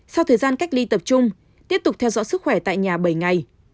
sau thời gian cách ly tập trung tiếp tục theo dõi sức khỏe tại nhà bảy ngày